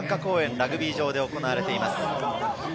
ラグビー場で行われています。